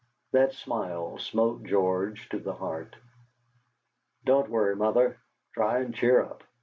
That smile smote George to the heart. "Don't worry, Mother; try and cheer up.